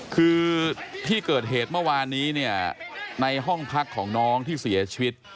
คือที่เกิดเหตุเมื่อวานนี้เนี่ยในห้องพักของน้องที่เสียชีวิต